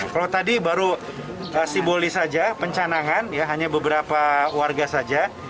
kalau tadi baru simbolis saja pencanangan ya hanya beberapa warga saja